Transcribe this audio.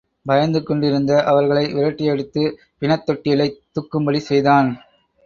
பயந்துகொண்டிருந்த அவர்களை விரட்டியடித்து, பிணத் தொட்டிலைத் தூக்கும்படி செய்தான்.